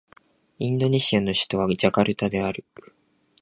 インドネシアの首都はジャカルタである